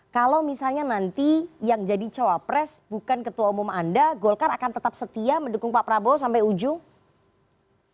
kalau misalnya nanti yang jadi cawapres bukan ketua umum anda golkar akan tetap setia mendukung pak prabowo sampai ujung